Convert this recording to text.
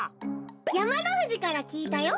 やまのふじからきいたよ。